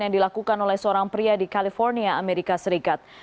yang dilakukan oleh seorang pria di california amerika serikat